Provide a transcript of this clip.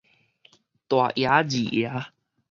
大爺二爺